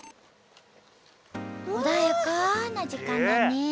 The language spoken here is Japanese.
穏やかな時間だね。